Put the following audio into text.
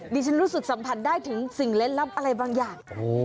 ดิฉันรู้สึกสัมผัสได้ถึงสิ่งเล่นลับอะไรบางอย่าง